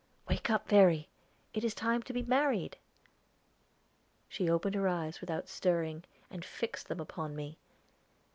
"Wake up, Verry; it is time to be married." She opened her eyes without stirring and fixed them upon me.